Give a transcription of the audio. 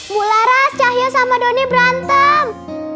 bu laras cahyo sama doni berantem